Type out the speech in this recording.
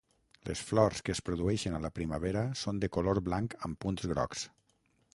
Les flors que es produeixen a la primavera són de color blanc amb punts grocs.